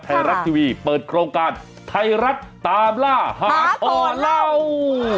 ไทยรัฐทีวีเปิดโครงการไทยรัฐตามล่าหาท่อเล่า